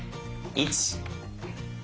１！